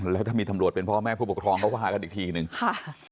แล้วถ้ามีตำรวจเป็นพ่อแม่ผู้ปกครองเขาก็ว่ากันอีกทีหนึ่งค่ะ